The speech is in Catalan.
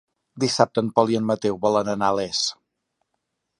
Dissabte en Pol i en Mateu volen anar a Les.